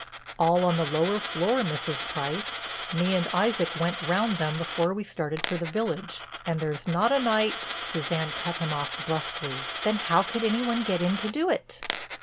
"All on the lower floor, Mrs. Price. Me and Isaac went round them before we started for the village, and there's not a night—" Suzanne cut him off brusquely: "Then how could any one get in to do it?"